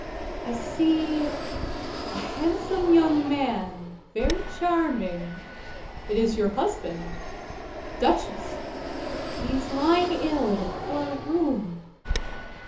"I see a handsome young man very charming. It is your husband, Duchess. He is lying ill in a poor room.